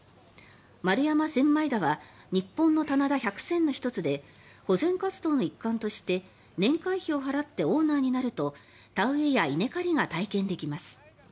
丸山千枚田は日本の棚田百選の１つで保全活動の一環として年会費を払ってオーナーになると田植えや稲刈りが体験できます。